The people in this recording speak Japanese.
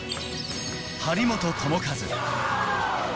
張本智和。